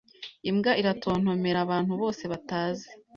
Imbwa iratontomera abantu bose batazi.